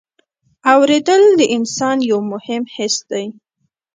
اورېدل د انسان یو مهم حس دی.